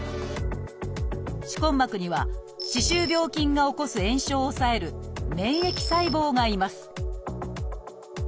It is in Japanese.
歯根膜には歯周病菌が起こす炎症を抑える免疫細胞がいます